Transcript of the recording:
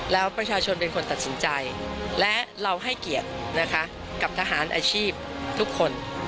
แล้วประชาชนเป็นคนตัดสินใจและเราให้เกียรตินะคะกับทหารอาชีพทุกคน